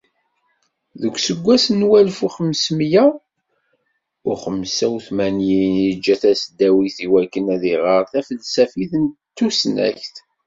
Deg useggas n walef u xemsemya u xemsa u tmanyin iǧǧa tasdawit iwakken ad iɣer tafelsafit d tussnakt.